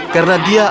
karena dia anggap